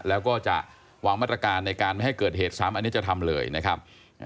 แล้วก็จะวางมาตรการในการไม่ให้เกิดเหตุซ้ำอันนี้จะทำเลยนะครับ